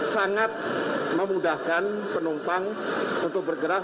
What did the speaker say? sangat memudahkan penumpang untuk bergerak